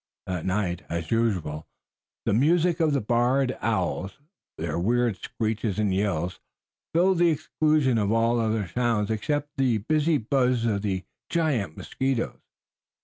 That night, as usual, the music of the barred owls, their weird screeches and yells, filled to the exclusion of all other sounds except the busy buzz of the giant mosquitoes.